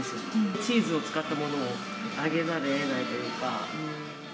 チーズを使ったものを上げざるをえないというか。